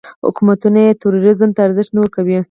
حکومتونه یې ټوریزم ته ارزښت نه ورکوي.